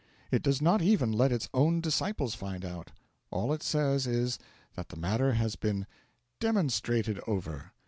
It does not even let its own disciples find out. All it says is, that the matter has been 'demonstrated over.'